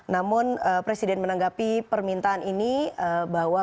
namun presiden menanggapi permintaan ini bahwa